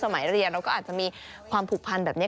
สมัยเรียนเราก็อาจจะมีความผูกพันแบบนี้